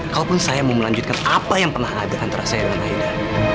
kalaupun saya mau melanjutkan apa yang pernah ada antara saya dengan haida